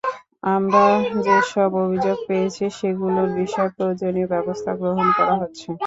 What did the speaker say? আমরা যেসব অভিযোগ পেয়েছি, সেগুলোর বিষয়ে প্রয়োজনীয় ব্যবস্থা গ্রহণ করা হচ্ছে।